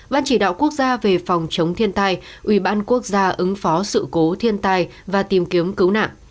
ban chỉ đạo quốc gia về phòng chống thiên tai ủy ban quốc gia ứng phó sự cố thiên tai và tìm kiếm cứu nạn